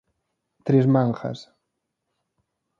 Tres mangas.